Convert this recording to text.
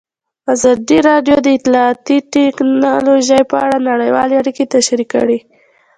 ازادي راډیو د اطلاعاتی تکنالوژي په اړه نړیوالې اړیکې تشریح کړي.